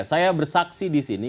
saya bersaksi di sini